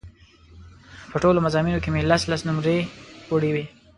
په ټولو مضامینو کې مې لس لس نومرې وړې وې.